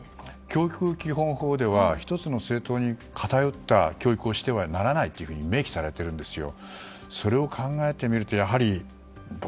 教育基本法では１つの政党に偏った教育をしてはならないと明記されているんですよ。